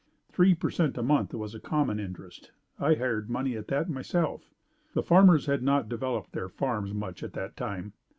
Three per cent a month was a common interest. I hired money at that myself. The farmers had not developed their farms much at that time.